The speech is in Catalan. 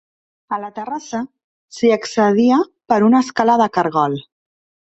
A la terrassa, s'hi accedia per una escala de caragol.